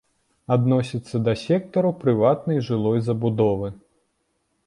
Адносіцца да сектару прыватнай жылой забудовы.